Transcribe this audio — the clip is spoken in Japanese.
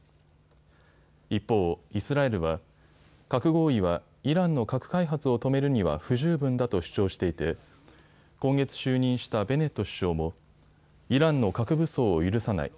一方、イスラエルは核合意はイランの核開発を止めるには不十分だと主張していて今月就任したベネット首相もイランの核武装を許さない。